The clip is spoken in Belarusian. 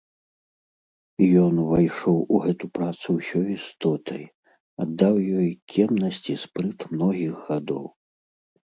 Ён увайшоў у гэту працу ўсёй істотай, аддаў ёй кемнасць і спрыт многіх гадоў.